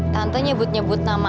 tante nyebut nyebut nama